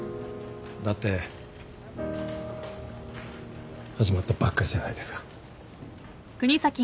だって始まったばっかりじゃないですか。